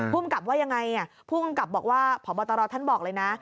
ภูมิกับว่ายังไงผู้กำกับบอกว่าพบตรท่านบอกเลยนะ